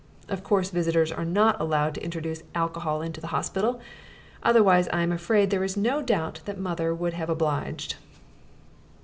(Of course visitors are not allowed to introduce alcohol into the hospital otherwise I am afraid there is no doubt that mother would have obliged.)